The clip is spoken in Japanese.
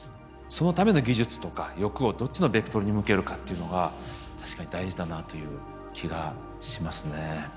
そのための技術とか欲をどっちのベクトルに向けるかっていうのが確かに大事だなという気がしますね。